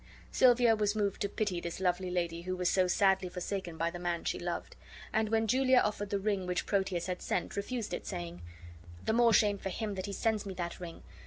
Silvia was moved to pity this lovely lady who was so sadly forsaken by the man she loved; and when Julia offered the ring which Proteus had sent, refused it, saying: "The more shame for him that he sends me that ring.